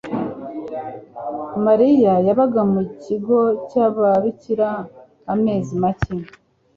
Mariya yabaga mu kigo cy'ababikira amezi make.